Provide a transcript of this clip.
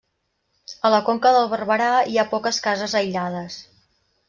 A la Conca del Barberà hi ha poques cases aïllades.